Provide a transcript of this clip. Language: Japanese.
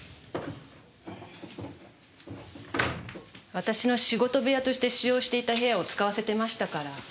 私の仕事部屋として使用していた部屋を使わせてましたから。